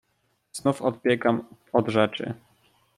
"Znów odbiegam od rzeczy."